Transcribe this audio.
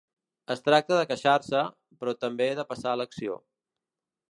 Es tracta de queixar-se, però també de passar a l’acció.